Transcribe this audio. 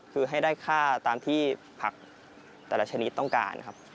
คือให้ได้ค่าตามที่ผักแต่ละชนิดต้องการครับ